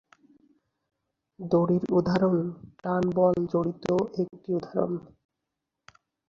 দড়ির উদাহরণ 'টান' বল জড়িত একটি উদাহরণ।